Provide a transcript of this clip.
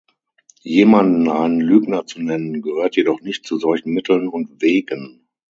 Jemanden einen Lügner zu nennen, gehört jedoch nicht zu solchen Mitteln und Wegen.